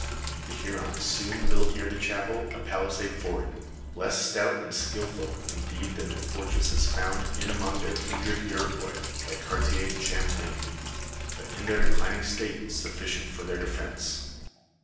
^ Tlie Hurons soon built near the chapel a palisade fort, less stout and skilful indeed than the fortresses found in among their kindred Iroquois by Gartier and Champlain, but in their declining state sufiicient for their defence.